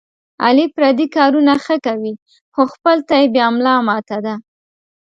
علي پردي کارونه ښه کوي، خو خپل ته یې بیا ملا ماته ده.